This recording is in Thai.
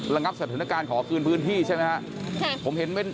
งับสถานการณ์ขอคืนพื้นที่ใช่ไหมครับ